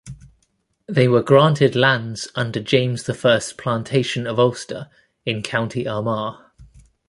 They were granted lands under James the First's Plantation of Ulster in County Armagh.